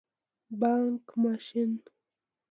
🏧 بانګ ماشین